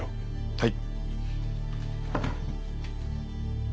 はい。